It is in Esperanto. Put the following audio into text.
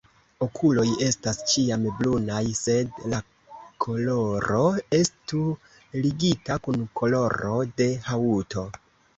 Okuloj estas ĉiam brunaj, sed la koloro estu ligita kun koloro de haŭto.